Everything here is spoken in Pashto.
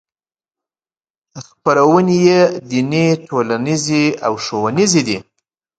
خپرونې یې دیني ټولنیزې او ښوونیزې دي.